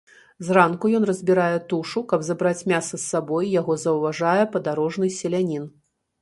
Зранку ён разбірае тушу, каб забраць мяса з сабой, яго заўважае падарожны селянін.